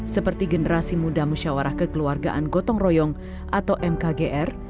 seperti generasi muda musyawarah kekeluargaan gotong royong atau mkgr